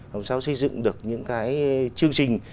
làm sao xây dựng được những cái chương trình